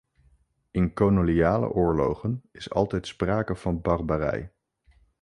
In koloniale oorlogen is altijd sprake van barbarij.